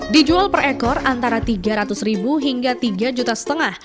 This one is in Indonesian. dijual per ekor antara tiga ratus ribu hingga tiga juta setengah